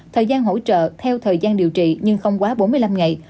thời gian hỗ trợ theo thời gian điều trị nhưng không quá bốn mươi năm ngày